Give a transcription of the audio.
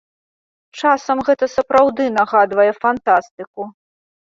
Часам гэта сапраўды нагадвае фантастыку.